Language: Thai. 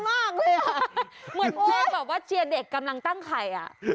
เหมือนเพื่อนแบบว่าเชียร์เด็กกำลังตั้งไข่